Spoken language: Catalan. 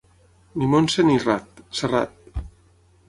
Ni Montse ni Rat, Serrat.